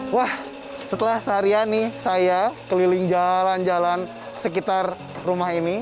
wah setelah seharian nih saya keliling jalan jalan sekitar rumah ini